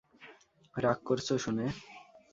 রাগ করছ শুনে?